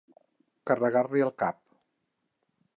Carregar-li el cap.